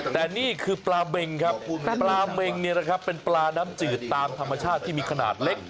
แต่นี่คือปลาเม็งครับปลาเม็งเนี่ยนะครับเป็นปลาน้ำจืดตามธรรมชาติที่มีขนาดเล็ก